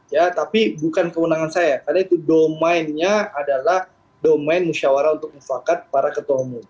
ya tapi bukan kewenangan saya karena itu domainnya adalah domain musyawarah untuk mufakat para ketua umum